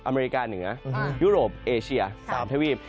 อเมริกาเหนือยุโรปเอเชีย๓ทวีป